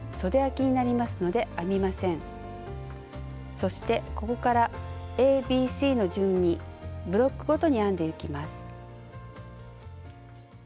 そしてここからＡＢＣの順にブロックごとに編んでいきます。